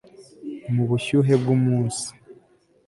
mu bushyuhe bwumunsi